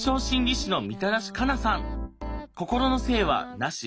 心の性は無し。